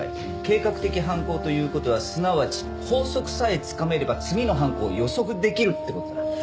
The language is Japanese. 計画的犯行という事はすなわち法則さえつかめれば次の犯行を予測できるって事だ。